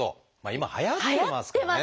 今はやってますからね。